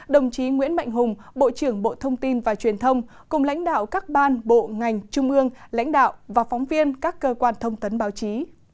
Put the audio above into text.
đồng chí nguyễn mạnh hùng bộ trưởng bộ thông tin và truyền thông cùng lãnh đạo các ban bộ ngành trung ương lãnh đạo và phóng viên các cơ quan thông tấn báo chí